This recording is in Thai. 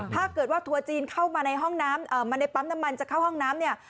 ถ้าเกิดว่าทัวร์จีนเข้ามาในห้องน้ำมาในปั๊มน้ำมันจะเข้าห้องน้ำเนี่ย